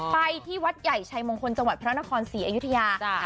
ไปที่วัดใหญ่ชัยมงคลจังหวัดพระนครศรีอยุธยา